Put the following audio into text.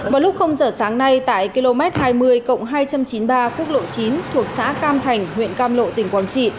vào lúc giờ sáng nay tại km hai mươi hai trăm chín mươi ba quốc lộ chín thuộc xã cam thành huyện cam lộ tỉnh quảng trị